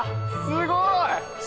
すごい！